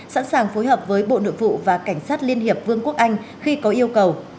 sẵn sàng phối hợp với bộ nội vụ và cảnh sát liên hiệp vương quốc anh khi có yêu cầu